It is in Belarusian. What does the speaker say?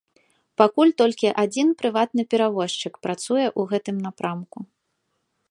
Пакуль толькі адзін прыватны перавозчык працуе ў гэтым напрамку.